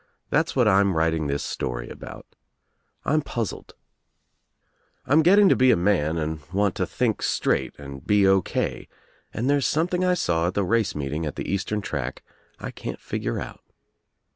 That's what I'm writing this story about. I'm puzzled. I'm getting ■ 1 WANT TO KNOW WHY 9 to be a man and want to think straight and be O. K.* I and there's something I saw at the race meeting at '■ vtfae eastern track 1 can't figure out.